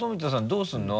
どうするの？